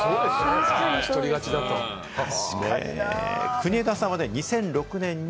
国枝さんは２００６年に